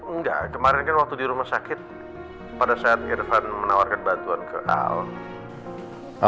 enggak kemarin kan waktu di rumah sakit pada saat irfan menawarkan bantuan ke al